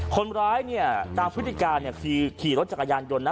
คนร้ายเนี่ยตามพฤติการเนี่ยคือขี่รถจักรยานยนต์นะ